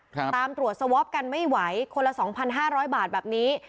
ตามตรวจสวอปกันไม่ไหวคนละ๒๕๐๐บาทแบบนี้